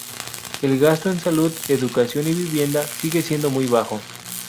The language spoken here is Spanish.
El gasto en salud, educación y vivienda sigue siendo muy bajo.